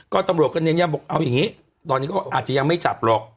ก็ตำรวจก็เน้นย้ำบอกเอาอย่างนี้ตอนนี้ก็อาจจะยังไม่จับหรอก